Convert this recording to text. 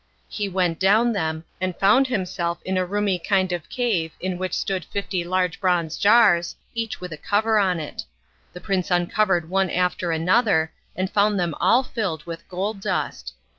He went down them and found himself in a roomy kind of cave in which stood fifty large bronze jars, each with a cover on it. The prince uncovered one after another, and found them all filled with gold dust.